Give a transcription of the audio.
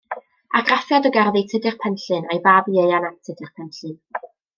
Argraffiad o gerddi Tudur Penllyn a'i fab Ieuan ap Tudur Penllyn.